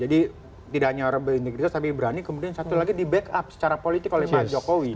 jadi tidak hanya orang berintegritas tapi berani kemudian satu lagi di backup secara politik oleh pak jokowi